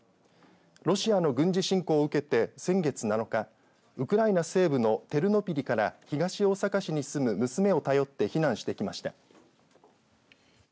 ロシアの軍事侵攻を受けて先月７日、ウクライナ西部のテルノピリから東大阪市に住む娘を頼って避難してきました。